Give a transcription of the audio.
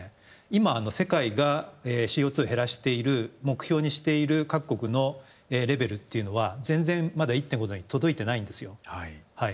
今世界がＣＯを減らしている目標にしている各国のレベルっていうのは全然まだ１．５℃に届いてないんですよ。